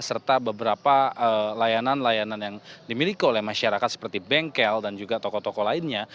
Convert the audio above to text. serta beberapa layanan layanan yang dimiliki oleh masyarakat seperti bengkel dan juga toko toko lainnya